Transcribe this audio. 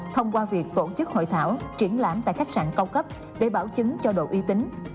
thông qua việc tổ chức hội thảo triển lãm tại khách sạn cao cấp để bảo chứng cho độ y tính